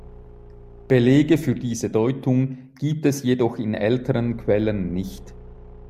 Belege für diese Deutung gibt es jedoch in älteren Quellen nicht.